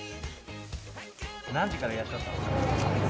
何時からいらっしゃったんですか？